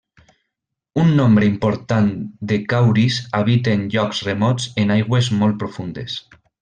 Un nombre important de cauris habiten llocs remots en aigües molt profundes.